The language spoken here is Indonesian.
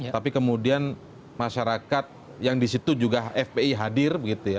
tapi kemudian masyarakat yang di situ juga fpi hadir